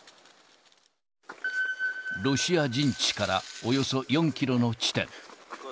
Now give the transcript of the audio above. ロシア陣地からおよそ４キロの地点。